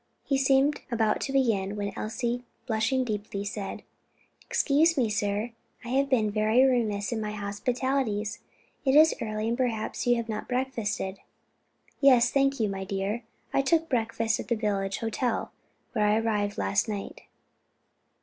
He seemed about to begin, when Elsie, blushing deeply, said, "Excuse me, sir, I have been very remiss in my hospitalities. It is early, and perhaps you have not breakfasted." "Yes, thank you my dear, I took breakfast at the village hotel, where I arrived last night."